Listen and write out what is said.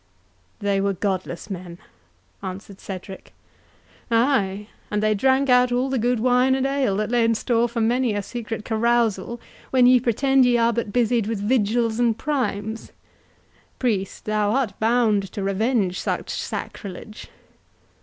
"They were godless men," answered Cedric. "Ay, and they drank out all the good wine and ale that lay in store for many a secret carousal, when ye pretend ye are but busied with vigils and primes!—Priest, thou art bound to revenge such sacrilege."